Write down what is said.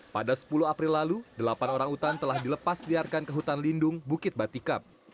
pada sepuluh april lalu delapan orang utan telah dilepas liarkan ke hutan lindung bukit batikap